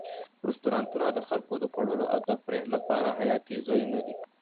رستورانتونه د خلکو د خوړلو او تفریح لپاره حیاتي ځایونه دي.